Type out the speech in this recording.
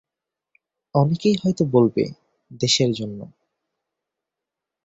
অনেকেই হয়ত বলবে, দেশের জন্য।